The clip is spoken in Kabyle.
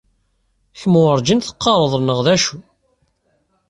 Kemm werjin teqqareḍ neɣ d acu?!